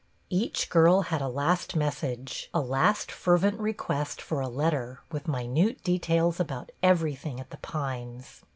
Each girl had a last message, a last fer vent request for a letter with minute details about everything at The Pines.